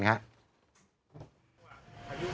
อีกแปวกนิดเดียว